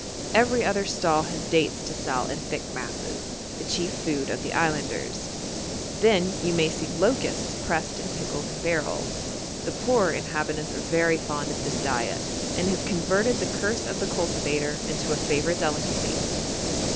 Every other stall has dates to sell in thick masses, the chief food of the islanders. Then you may see locusts pressed and pickled in barrels; the poorer inhabitants are very fond of this diet, and have converted the curse of the cultivator into a favourite delicacy.